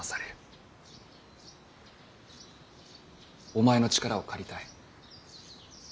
お前の力を借りたい。